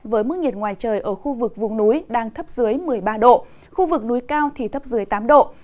với mức nhiệt ngoài trời ở khu vực vùng núi đang thấp dưới một mươi ba độ khu vực núi cao thì thấp dưới tám độ